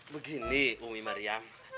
begini umi marian